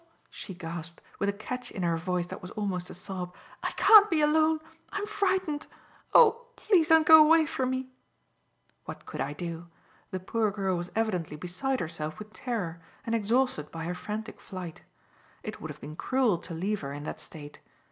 she gasped, with a catch in her voice that was almost a sob, "I can't be alone! I am frightened. Oh! Please don't go away from me!" What could I do? The poor girl was evidently beside herself with terror, and exhausted by her frantic flight. It would have been cruel to leave her in that state.